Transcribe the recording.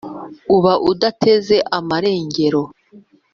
uba udateze amarengero.